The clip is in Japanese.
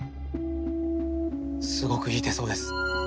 すごくいい手相です。